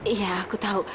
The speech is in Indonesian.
iya aku tahu